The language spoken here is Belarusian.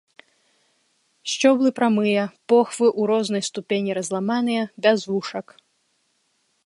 Сцёблы прамыя, похвы ў рознай ступені разламаныя, без вушак.